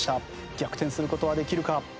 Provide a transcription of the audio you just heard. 逆転する事はできるか？